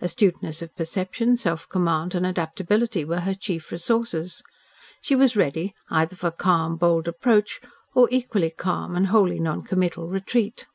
Astuteness of perception, self command, and adaptability were her chief resources. She was ready, either for calm, bold approach, or equally calm and wholly non committal retreat.